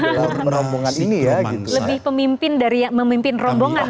lebih pemimpin dari memimpin rombongan